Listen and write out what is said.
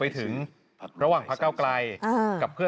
แต่